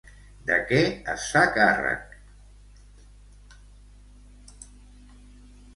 De què es fa càrrec?